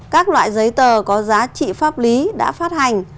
các loại giấy tờ có giá trị pháp lý đã phát hành